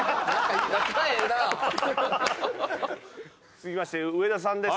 続きまして上田さんです。